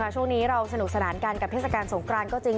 ช่วงนี้เราสนุกสนานกันกับเทศกาลสงครานก็จริง